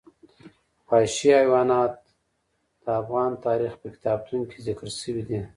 وحشي حیوانات د افغان تاریخ په کتابونو کې ذکر شوی دي.